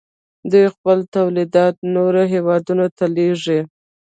دوی خپل تولیدات نورو هیوادونو ته لیږي.